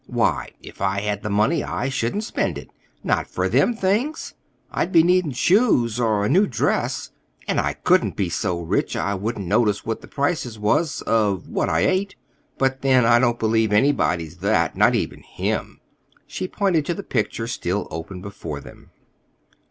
Why, if I had the money, I shouldn't spend it—not for them things. I'd be needing shoes or a new dress. And I couldn't be so rich I wouldn't notice what the prices was—of what I ate. But, then, I don't believe anybody's that, not even him." She pointed to the picture still open before them.